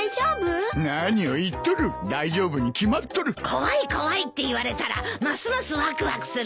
怖い怖いって言われたらますますわくわくするよ。